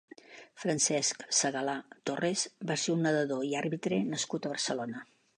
Francesc Segalà Torres va ser un nedador i àrbitre nascut a Barcelona.